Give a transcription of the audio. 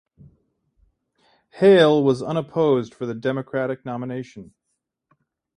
Hale was unopposed for the Democratic nomination.